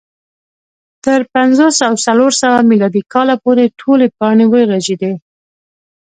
تر پنځوس او څلور سوه میلادي کاله پورې ټولې پاڼې ورژېدې